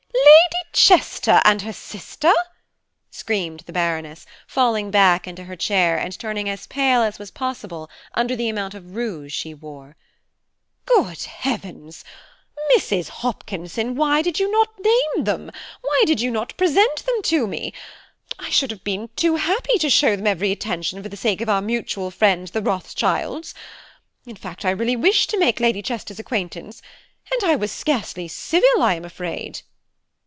"Lady Chester and her sister!" screamed the Baroness, falling back into her chair, and turning as pale as was possible under the amount of rouge she wore. "Good heavens! Mrs. Hopkinson, why did you not name them? why did you not present them to me? I should have been too happy to show them every attention for the sake of our mutual friends the Rothschilds; in fact, I really wished to make Lady Chester's acquaintance, and I was scarcely civil, I am afraid."